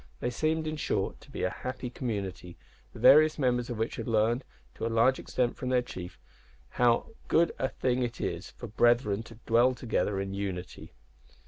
They seemed, in short, to be a happy community, the various members of which had leaned to a large extent from their chief "how good a thing it is for brethren to dwell together in unity."